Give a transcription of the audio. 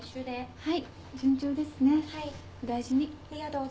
はい。